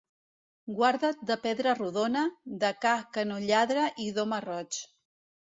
Guarda't de pedra rodona, de ca que no lladra i d'home roig.